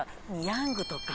ヤングとか。